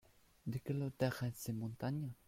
De quel hauteur est cette montagne ?